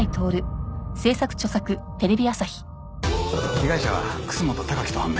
被害者は楠本貴喜と判明。